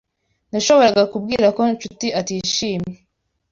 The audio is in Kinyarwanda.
Nashoboraga kubwira ko Nshuti atishimye.